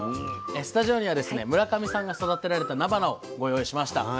スタジオにはですね村上さんが育てられたなばなをご用意しました。